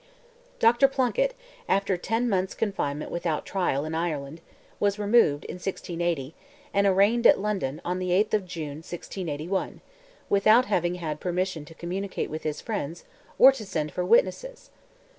Dr. Plunkett, after ten months' confinement without trial in Ireland, was removed, 1680, and arraigned at London, on the 8th of June, 1681, without having had permission to communicate with his friends or to send for witnesses.